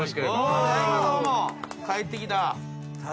帰ってきた。